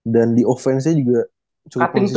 dan di offense nya juga cukup konsisten